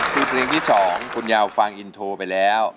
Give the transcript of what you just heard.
คือเพลงที่๒คุณยาวฟังอินโทรไปแล้ว